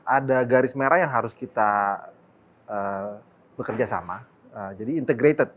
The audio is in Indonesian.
ada garis merah yang harus kita bekerja sama jadi integrated